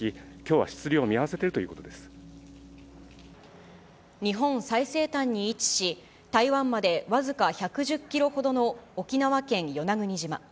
日本最西端に位置し、台湾まで僅か１１０キロほどの沖縄県与那国島。